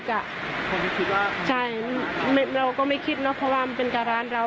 ใช่เราก็ไม่คิดเนอะเพราะว่ามันเป็นการร้านเรา